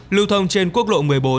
lưu thông trên quốc lộ một mươi bốn